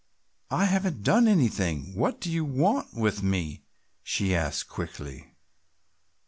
"I haven't done anything; what do you want with me?" she asked quickly.